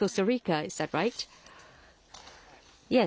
はい。